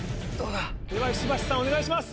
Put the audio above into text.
では石橋さんお願いします。